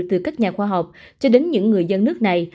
từ các nhà khoa học cho đến những người dân nước này